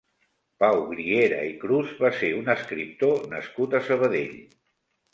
Pau Griera i Cruz va ser un escriptor nascut a Sabadell.